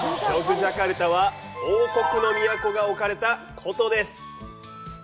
ジャカルタは、王国の都が置かれた古都です。